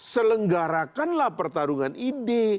selenggarakanlah pertarungan ide